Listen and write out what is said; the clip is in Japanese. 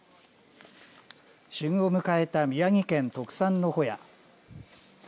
旬を迎えた宮城県特産のほや。